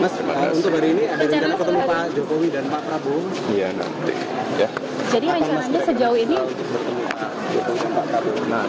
semua masyarakat bisa juga